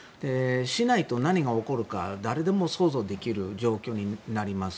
しないと何が起こるか誰でも想像できる状況になります。